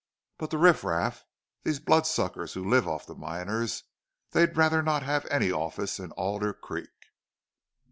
But the riffraff, these bloodsuckers who live off the miners, they'd rather not have any office in Alder Creek."